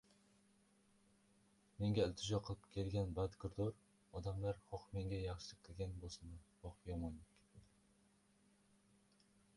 Menga iltijo qilib kelgan badkirdor odamlar xoh menga yaxshilik qilgan bo‘lsinlar, xoh yomonlik